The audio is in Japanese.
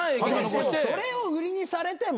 それを売りにされても。